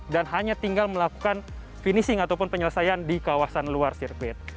dan hanya tinggal melakukan finishing ataupun penyelesaian di kawasan luar sirkuit